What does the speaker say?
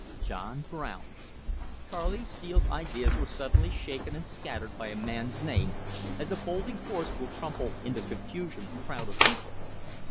"John Brown's!" Charley Steele's ideas were suddenly shaken and scattered by a man's name, as a bolting horse will crumple into confusion a crowd of people.